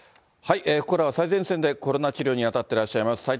ここからは最前線でコロナ治療に当たっていらっしゃいます